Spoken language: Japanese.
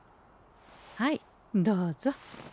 はいどうぞ。